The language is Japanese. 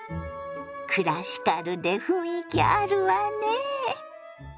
クラシカルで雰囲気あるわね。